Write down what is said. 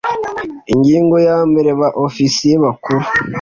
ingingo ya mbere ba ofisiye bakuru